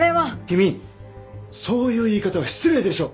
君そういう言い方は失礼でしょ！